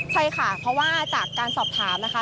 ใช่ค่ะเพราะว่าจากการสอบถามนะคะ